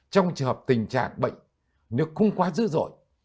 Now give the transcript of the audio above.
trong trường hợp tình trạng bệnh nó không quá dữ dội